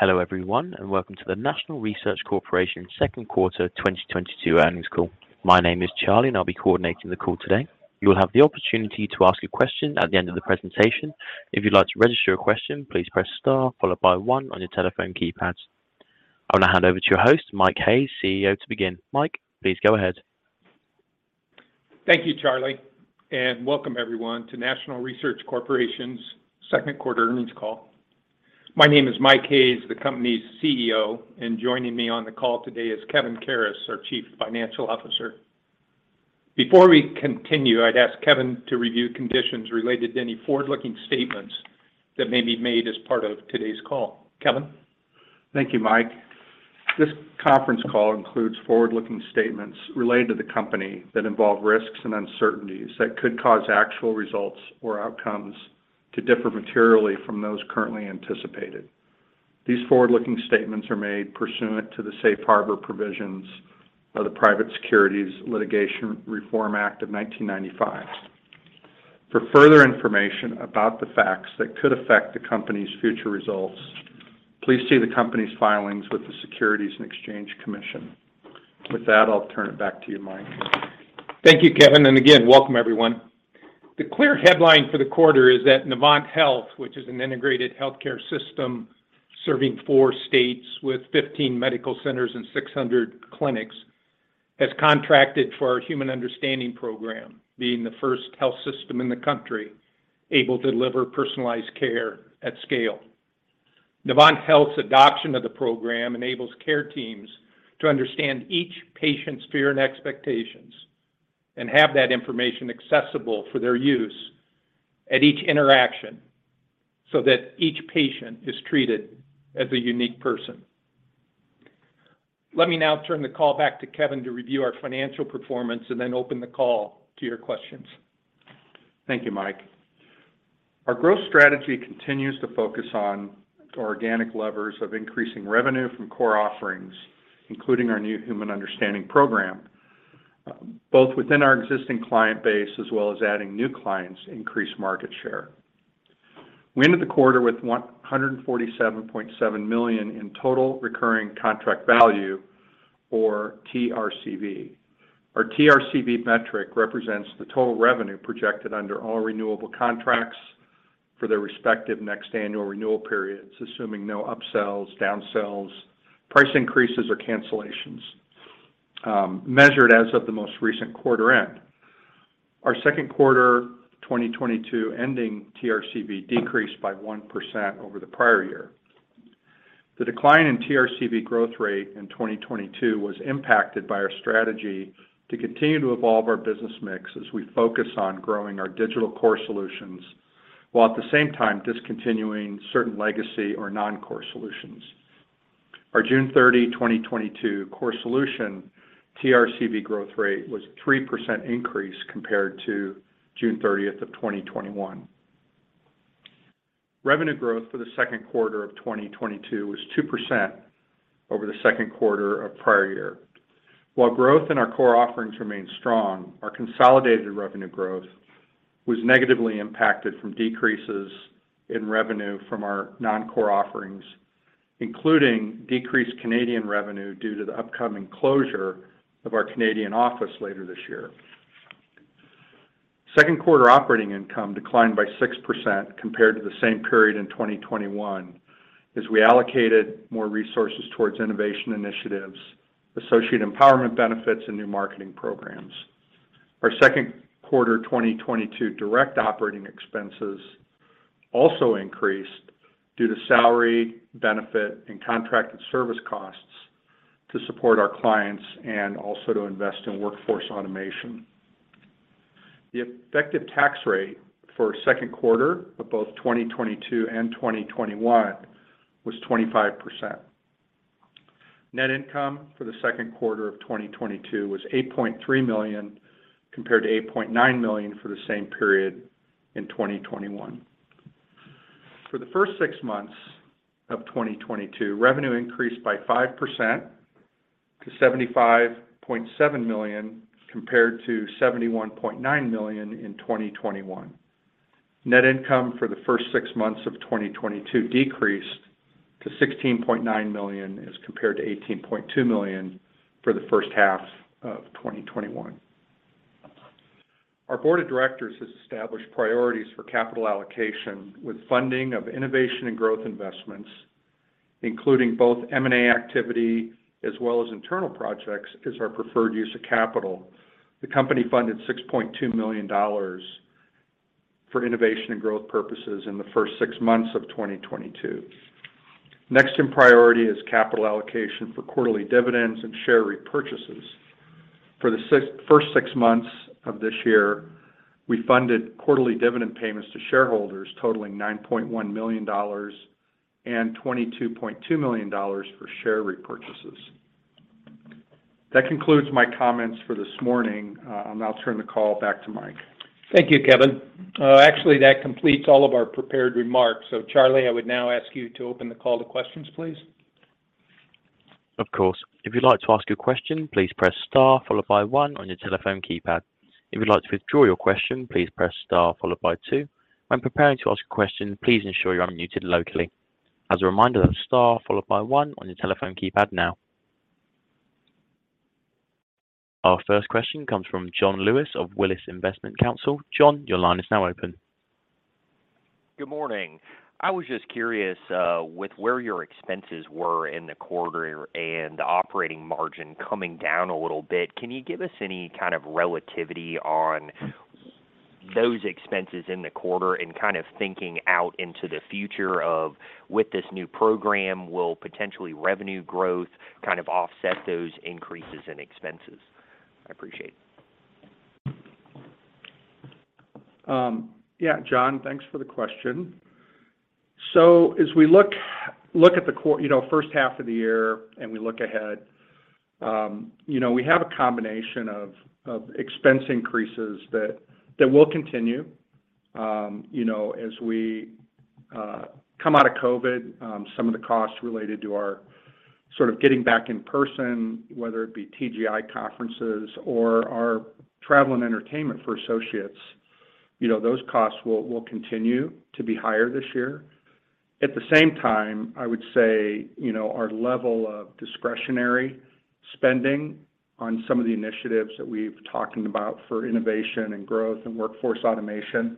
Hello everyone, and welcome to the National Research Corporation second quarter 2022 earnings call. My name is Charlie, and I'll be coordinating the call today. You will have the opportunity to ask a question at the end of the presentation. If you'd like to register your question, please press Star followed by one on your telephone keypads. I want to hand over to your host, Mike Hays, CEO, to begin. Mike, please go ahead. Thank you Charlie, and welcome everyone to National Research Corporation's second quarter earnings call. My name is Mike Hays, the company's CEO, and joining me on the call today is Kevin Karas, our Chief Financial Officer. Before we continue, I'd ask Kevin to review conditions related to any forward-looking statements that may be made as part of today's call. Kevin? Thank you Mike. This conference call includes forward-looking statements related to the company that involve risks and uncertainties that could cause actual results or outcomes to differ materially from those currently anticipated. These forward-looking statements are made pursuant to the Safe Harbor provisions of the Private Securities Litigation Reform Act of 1995. For further information about the facts that could affect the company's future results, please see the company's filings with the Securities and Exchange Commission. With that, I'll turn it back to you Mike. Thank you Kevin. Again, welcome everyone. The clear headline for the quarter is that Novant Health, which is an integrated healthcare system serving four states with 15 medical centers and 600 clinics, has contracted for our Human Understanding Program, being the first health system in the country able to deliver personalized care at scale. Novant Health's adoption of the program enables care teams to understand each patient's fear and expectations and have that information accessible for their use at each interaction so that each patient is treated as a unique person. Let me now turn the call back to Kevin to review our financial performance and then open the call to your questions. Thank you Mike. Our growth strategy continues to focus on organic levers of increasing revenue from core offerings, including our new Human Understanding Program, both within our existing client base as well as adding new clients increase market share. We ended the quarter with $147.7 million in total recurring contract value or TRCV. Our TRCV metric represents the total revenue projected under all renewable contracts for their respective next annual renewal periods, assuming no upsells, downsells, price increases, or cancellations, measured as of the most recent quarter end. Our second quarter 2022 ending TRCV decreased by 1% over the prior year. The decline in TRCV growth rate in 2022 was impacted by our strategy to continue to evolve our business mix as we focus on growing our digital core solutions while at the same time discontinuing certain legacy or non-core solutions. Our June 30, 2022 core solution TRCV growth rate was 3% increase compared to June 30th, of 2021. Revenue growth for the second quarter of 2022 was 2% over the second quarter of prior year. While growth in our core offerings remained strong, our consolidated revenue growth was negatively impacted from decreases in revenue from our non-core offerings, including decreased Canadian revenue due to the upcoming closure of our Canadian office later this year. Second quarter operating income declined by 6% compared to the same period in 2021 as we allocated more resources towards innovation initiatives, associate empowerment benefits, and new marketing programs. Our second quarter 2022 direct operating expenses also increased due to salary, benefit, and contracted service costs to support our clients and also to invest in workforce automation. The effective tax rate for second quarter of both 2022 and 2021 was 25%. Net income for the second quarter of 2022 was $8.3 million compared to $8.9 million for the same period in 2021. For the first six months of 2022, revenue increased by 5% to $75.7 million compared to $71.9 million in 2021. Net income for the first six months of 2022 decreased to $16.9 million as compared to $18.2 million for the first half of 2021. Our board of directors has established priorities for capital allocation with funding of innovation and growth investments, including both M&A activity as well as internal projects as our preferred use of capital. The company funded $6.2 million for innovation and growth purposes in the first six months of 2022. Next in priority is capital allocation for quarterly dividends and share repurchases. For the first six months of this year, we funded quarterly dividend payments to shareholders totaling $9.1 million and $22.2 million for share repurchases. That concludes my comments for this morning. I'll turn the call back to Mike. Thank you Kevin. Actually, that completes all of our prepared remarks. Charlie, I would now ask you to open the call to questions, please. Of course. If you'd like to ask a question, please press Star followed by one on your telephone keypad. If you'd like to withdraw your question, please press Star followed by two. When preparing to ask a question, please ensure you're unmuted locally. As a reminder, that's Star followed by one on your telephone keypad now. Our first question comes from John Lewis of Willis Investment Counsel. John, your line is now open. Good morning. I was just curious, with where your expenses were in the quarter and the operating margin coming down a little bit, can you give us any kind of relativity on those expenses in the quarter and kind of thinking out into the future of, with this new program, will potentially revenue growth kind of offset those increases in expenses? I appreciate it. Yeah, John thanks for the question. As we look at the first half of the year, and we look ahead, you know, we have a combination of expense increases that will continue, you know, as we come out of COVID, some of the costs related to our sort of getting back in person, whether it be TGI conferences or our travel and entertainment for associates. You know, those costs will continue to be higher this year. At the same time, I would say, you know, our level of discretionary spending on some of the initiatives that we've talking about for innovation and growth and workforce automation,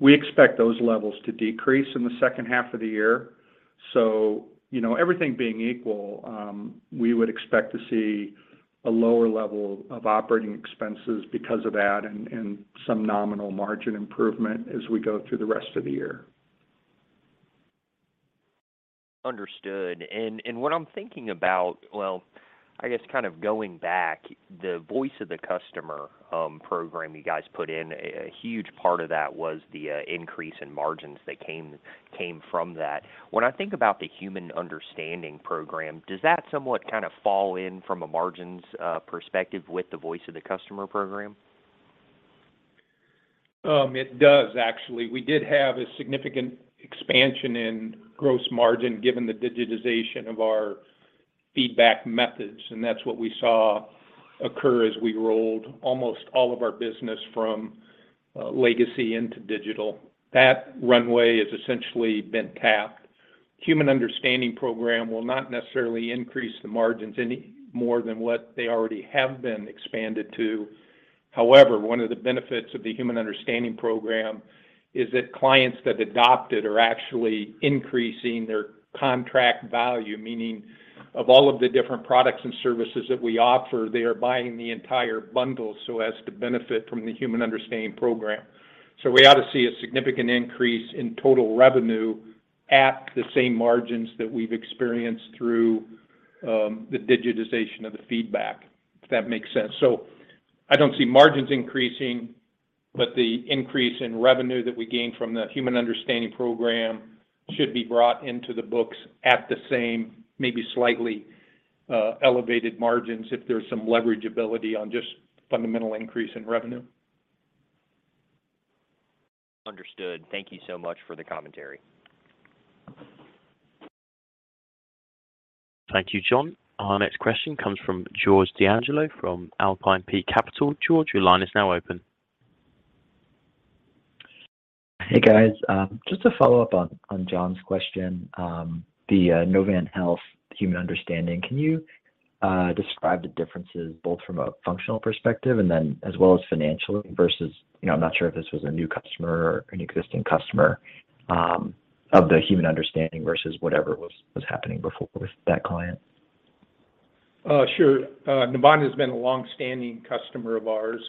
we expect those levels to decrease in the second half of the year. you know, everything being equal, we would expect to see a lower level of operating expenses because of that and some nominal margin improvement as we go through the rest of the year. Understood. Well, I guess kind of going back, the Voice of the Customer program you guys put in, a huge part of that was the increase in margins that came from that. When I think about the Human Understanding Program, does that somewhat kind of fall in from a margins perspective with the Voice of the Customer program? It does, actually. We did have a significant expansion in gross margin given the digitization of our feedback methods, and that's what we saw occur as we rolled almost all of our business from legacy into digital. That runway has essentially been tapped. Human Understanding Program will not necessarily increase the margins any more than what they already have been expanded to. However, one of the benefits of the Human Understanding Program is that clients that adopt it are actually increasing their contract value, meaning of all of the different products and services that we offer, they are buying the entire bundle so as to benefit from the Human Understanding Program. We ought to see a significant increase in total revenue at the same margins that we've experienced through the digitization of the feedback, if that makes sense. I don't see margins increasing, but the increase in revenue that we gain from the Human Understanding Program should be brought into the books at the same, maybe slightly, elevated margins if there's some leveragability on just fundamental increase in revenue. Understood. Thank you so much for the commentary. Thank you, John. Our next question comes from George D'Angelo from Alpine Peaks Capital. George, your line is now open. Hey guys. Just to follow up on John's question, the Novant Health Human Understanding. Can you describe the differences both from a functional perspective and then as well as financially versus, you know, I'm not sure if this was a new customer or an existing customer, of the Human Understanding versus whatever was happening before with that client? Sure. Novant has been a long-standing customer of ours,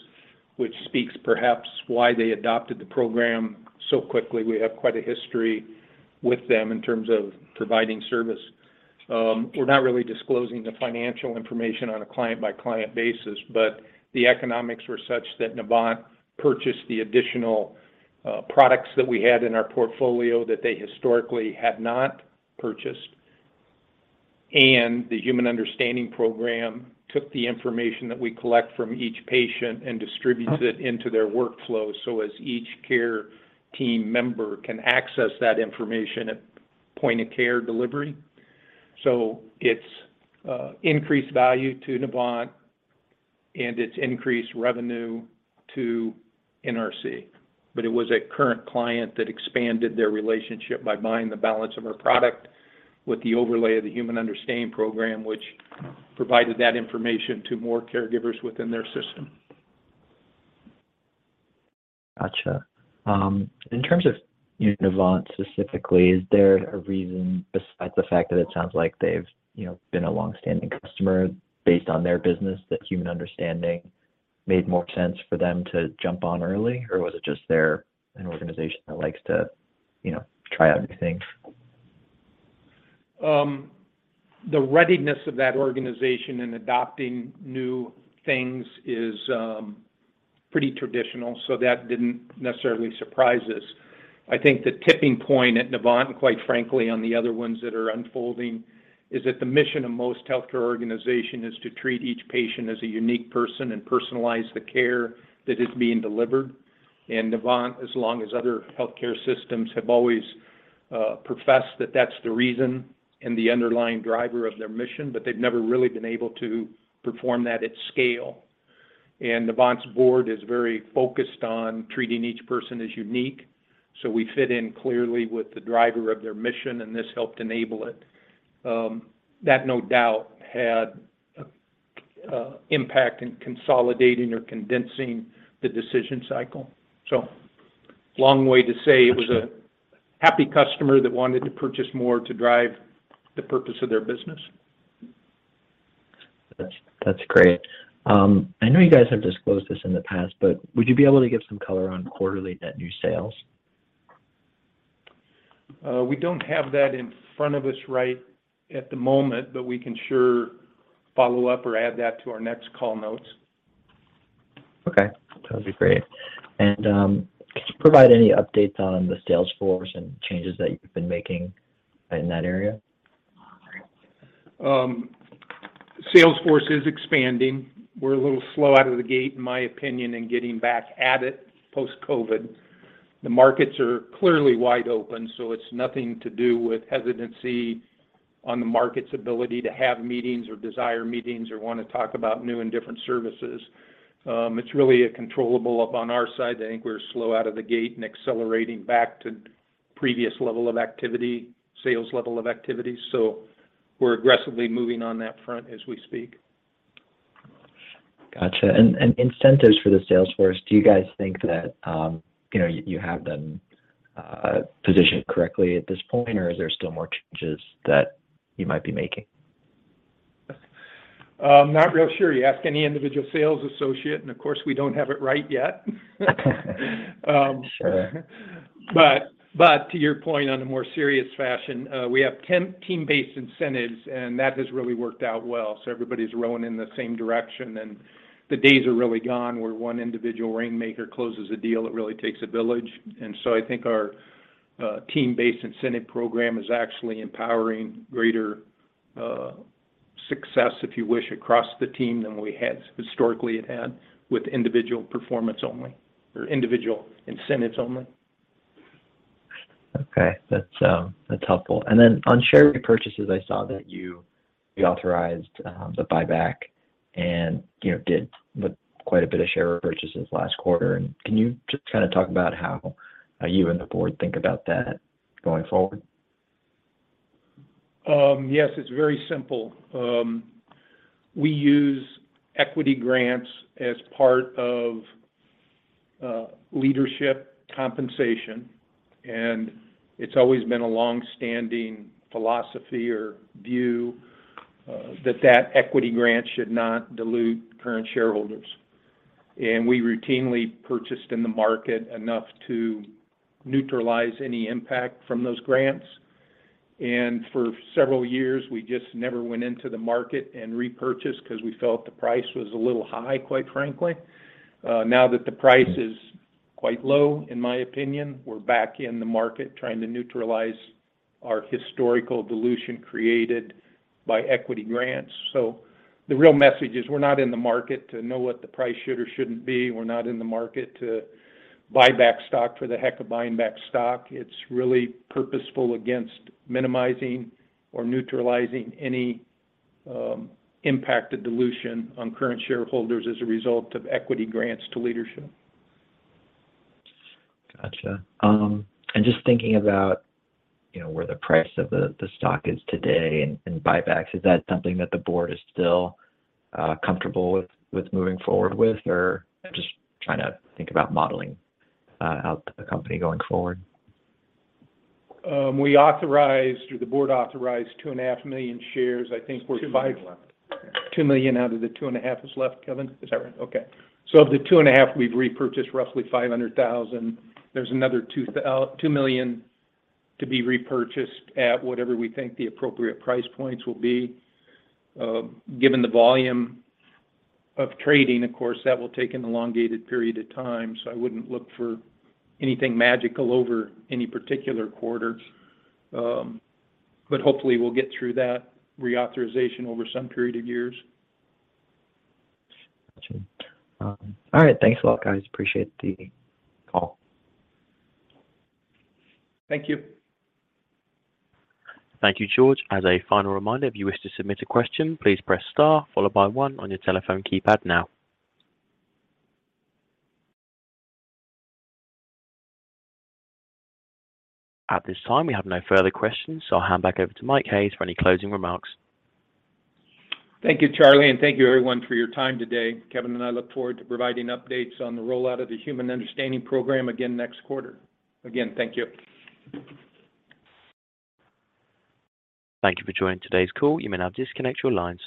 which speaks perhaps why they adopted the program so quickly. We have quite a history with them in terms of providing service. We're not really disclosing the financial information on a client-by-client basis, but the economics were such that Novant purchased the additional products that we had in our portfolio that they historically had not purchased. The Human Understanding Program took the information that we collect from each patient and distributes it into their workflow, so as each care team member can access that information at point of care delivery. It's increased value to Novant and it's increased revenue to NRC. It was a current client that expanded their relationship by buying the balance of our product with the overlay of the Human Understanding Program, which provided that information to more caregivers within their system. Gotcha. In terms of Novant specifically, is there a reason besides the fact that it sounds like they've, you know, been a long-standing customer based on their business, that Human Understanding made more sense for them to jump on early? Or was it just they're an organization that likes to, you know, try out new things? The readiness of that organization in adopting new things is pretty traditional, so that didn't necessarily surprise us. I think the tipping point at Novant, and quite frankly, on the other ones that are unfolding, is that the mission of most healthcare organization is to treat each patient as a unique person and personalize the care that is being delivered. Novant, as long as other healthcare systems have always professed that that's the reason and the underlying driver of their mission, but they've never really been able to perform that at scale. Novant's board is very focused on treating each person as unique. We fit in clearly with the driver of their mission, and this helped enable it. That no doubt had impact in consolidating or condensing the decision cycle. Long way to say it was a happy customer that wanted to purchase more to drive the purpose of their business. That's great. I know you guys have disclosed this in the past, but would you be able to give some color on quarterly net new sales? We don't have that in front of us right at the moment, but we can sure follow up or add that to our next call notes. Okay. That'd be great. Could you provide any updates on the sales force and changes that you've been making in that area? Sales force is expanding. We're a little slow out of the gate, in my opinion, in getting back at it post-COVID. The markets are clearly wide open, so it's nothing to do with hesitancy on the market's ability to have meetings or desire meetings or want to talk about new and different services. It's really controllable on our side. I think we're slow out of the gate and accelerating back to previous level of activity, sales level of activity. We're aggressively moving on that front as we speak. Gotcha. Incentives for the sales force, do you guys think that, you know, you have them positioned correctly at this point, or is there still more changes that you might be making? I'm not real sure. You ask any individual sales associate, and of course, we don't have it right yet. Sure. To your point on a more serious fashion, we have team-based incentives, and that has really worked out well. Everybody's rowing in the same direction. The days are really gone where one individual rainmaker closes a deal. It really takes a village. I think our team-based incentive program is actually empowering greater success, if you wish, across the team than we had historically it had with individual performance only or individual incentives only. Okay. That's helpful. Then on share repurchases, I saw that you authorized the buyback and, you know, did quite a bit of share repurchases last quarter. Can you just kind of talk about how you and the board think about that going forward? Yes, it's very simple. We use equity grants as part of leadership compensation, and it's always been a long-standing philosophy or view that equity grant should not dilute current shareholders. We routinely purchased in the market enough to neutralize any impact from those grants. For several years, we just never went into the market and repurchased because we felt the price was a little high, quite frankly. Now that the price is quite low, in my opinion, we're back in the market trying to neutralize our historical dilution created by equity grants. The real message is we're not in the market to know what the price should or shouldn't be. We're not in the market to buy back stock for the heck of buying back stock. It's really purposeful against minimizing or neutralizing any impact of dilution on current shareholders as a result of equity grants to leadership. Gotcha. Just thinking about, you know, where the price of the stock is today and buybacks, is that something that the board is still comfortable with moving forward with? Or just trying to think about modeling out the company going forward. The board authorized 2.5 million shares. I think we're $2 million left. 2 million out of the 2.5 is left, Kevin? Is that right? Okay. Of the 2.5, we've repurchased roughly 500,000. There's another 2 million to be repurchased at whatever we think the appropriate price points will be. Given the volume of trading, of course, that will take an elongated period of time. I wouldn't look for anything magical over any particular quarter. Hopefully we'll get through that reauthorization over some period of years. Got you. All right. Thanks a lot, guys. Appreciate the call. Thank you. Thank you George. As a final reminder, if you wish to submit a question, please press star followed by one on your telephone keypad now. At this time, we have no further questions, so I'll hand back over to Mike Hays for any closing remarks. Thank you Charlie, and thank you everyone for your time today. Kevin and I look forward to providing updates on the rollout of the Human Understanding Program again next quarter. Again, thank you. Thank you for joining today's call. You may now disconnect your lines.